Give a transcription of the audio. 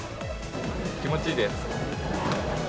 気持ちいいです。